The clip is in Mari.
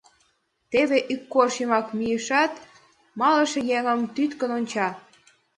Теве ик кож йымак мийышат, малыше еҥым тӱткын онча.